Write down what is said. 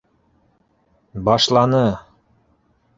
Башланы!